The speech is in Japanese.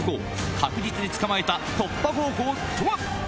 確実に捕まえた突破方法とは？